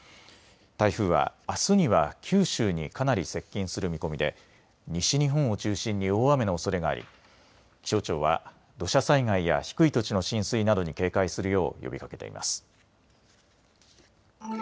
台風はあすには九州にかなり接近する見込みで西日本を中心に大雨のおそれがあり気象庁は土砂災害や低い土地の浸水などに警戒するよう呼びかけています。